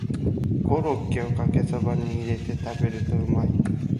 コロッケをかけそばに入れて食べるとうまい